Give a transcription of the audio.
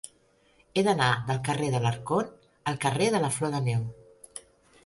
He d'anar del carrer d'Alarcón al carrer de la Flor de Neu.